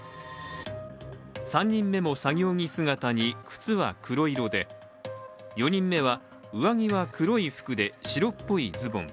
３人目も作業着姿に靴は黒色で、４人目は上着は黒い服で白っぽいズボン。